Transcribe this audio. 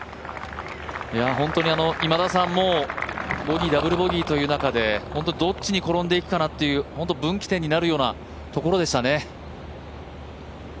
本当にボギーダブルボギーという中でどっちに転んでいくかなっていう本当に分岐点になるようなところでしたね。